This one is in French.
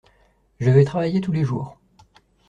Je vais travailler tous les jours.